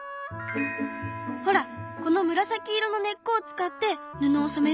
ほらこの紫色の根っこを使って布を染めるんだよ。